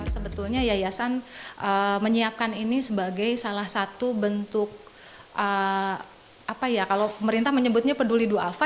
sebetulnya yayasan menyiapkan ini sebagai salah satu bentuk apa ya kalau pemerintah menyebutnya peduli dua alfa